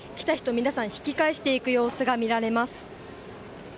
皆さんが引き返していく様子が見られます。